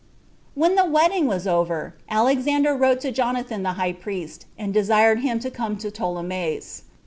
2. When the wedding was over, Alexander wrote to Jonathan the high priest, and desired him to come to Ptolemais.